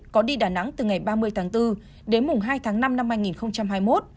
có đi đà nẵng từ ngày ba mươi tháng bốn đến mùng hai tháng năm năm hai nghìn hai mươi một